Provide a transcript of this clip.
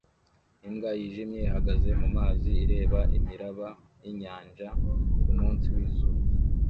Imbwa yijimye ihagaze mumazi ireba imiraba yinyanja kumunsi wizuba